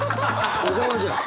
「小沢」じゃん。